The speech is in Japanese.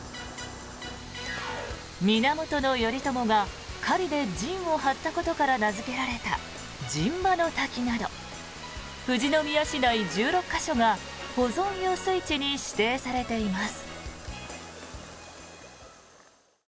源頼朝が狩りで陣を張ったことから名付けられた陣馬の滝など富士宮市内１６か所が保存湧水池に指定されています。